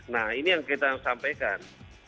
nah ini yang kita sampaikan